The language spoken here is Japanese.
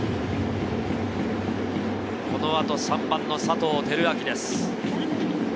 このあと３番の佐藤輝明です。